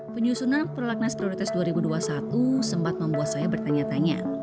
penyusunan prolaknas prioritas dua ribu dua puluh satu sempat membuat saya bertanya tanya